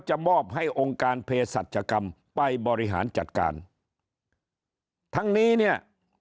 มอบให้องค์การเพศสัจกรรมไปบริหารจัดการทั้งนี้เนี่ย